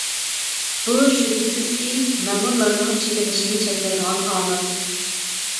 بۇ شۈبھىسىزكى مەمۇرلارنىڭ چېكىنىشىنى چەكلەيدىغان ئامىل.